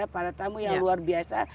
para tamu yang luar biasa